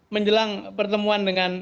menjelang pertemuan dengan